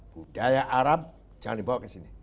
budaya arab jangan dibawa ke sini